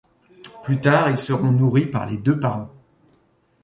Plus tard, ils seront nourris par les deux parents.